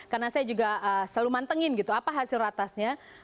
karena saya juga selalu mantengin gitu apa hasil ratasnya